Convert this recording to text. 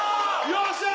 よっしゃ！